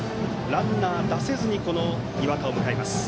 ランナーを出せずに岩田を迎えました。